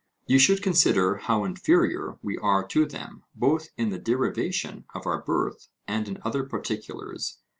You should consider how inferior we are to them both in the derivation of our birth and in other particulars.